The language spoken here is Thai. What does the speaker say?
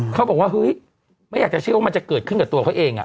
เขาบอกว่าเฮ้ยไม่อยากจะเชื่อว่ามันจะเกิดขึ้นกับตัวเขาเอง